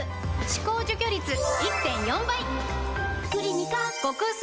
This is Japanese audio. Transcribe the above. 歯垢除去率 １．４ 倍！